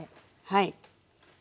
はい。